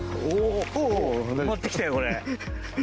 埋まってきたよ、これ。